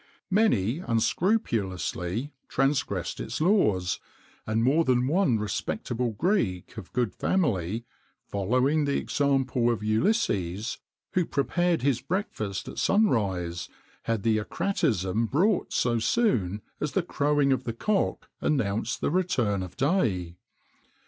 Many unscrupulously transgressed its laws, and more than one respectable Greek of good family, following the example of Ulysses, who prepared his breakfast at sun rise,[XXIX 34] had the acratism brought so soon as the crowing of the cock announced the return of day.